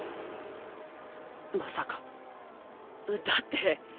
まさかだって。